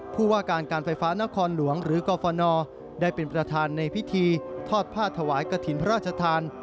ผู้ว่าการการไฟฟ้านครหลวงหรือกรฟนได้เป็นประธานในพิธีทอดผ้าถวายกระถิ่นพระราชทาน